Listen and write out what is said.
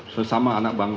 sesama anak bangsa